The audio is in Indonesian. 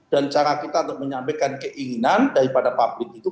dan cara kita untuk menyampaikan keinginan daripada publik itu